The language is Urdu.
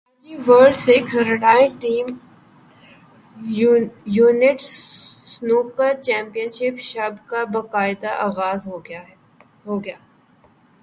Karachi world six red and team event snooker championship کا باقاعدہ اغاز ہوگیا